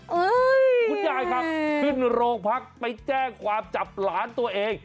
คุณยายครับขึ้นโรงพักไปแจ้งความจับหลานตัวเอง